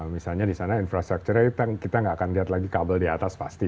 misalnya di sana infrastrukturnya kita nggak akan lihat lagi kabel di atas pasti